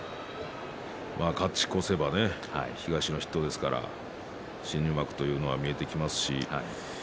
勝ち越せば東の筆頭ですから新入幕というのが見えてきますし。